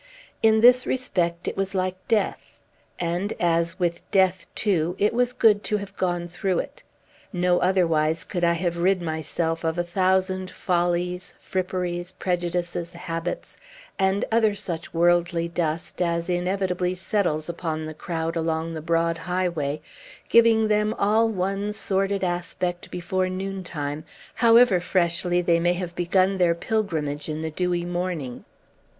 In this respect, it was like death. And, as with death, too, it was good to have gone through it. No otherwise could I have rid myself of a thousand follies, fripperies, prejudices, habits, and other such worldly dust as inevitably settles upon the crowd along the broad highway, giving them all one sordid aspect before noon time, however freshly they may have begun their pilgrimage in the dewy morning.